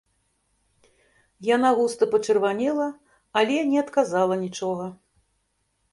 Яна густа пачырванела, але не адказала нічога.